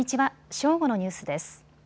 正午のニュースです。